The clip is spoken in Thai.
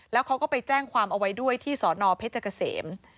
แล้วเขาก็ไปแจ้งความเอาไว้ด้วยที่สนเพชรเกษม